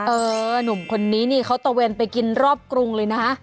หนุ่มคนนี้นี่เขาตะเวนไปกินรอบกรุงเลยนะ